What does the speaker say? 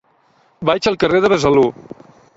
Vaig al carrer de Besalú.